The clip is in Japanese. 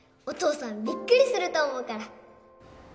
お父さんびっくりすると思うから。